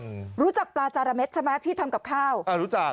อืมรู้จักปลาจาระเม็ดใช่ไหมพี่ทำกับข้าวอ่ารู้จัก